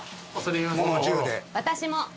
私も。